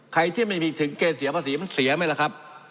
ใครที่ไม่มีถึงเกณฑ์เสียภาษีมันเสียไหมล่ะครับ